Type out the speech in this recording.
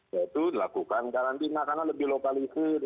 yaitu lakukan karantina karena lebih lokalisir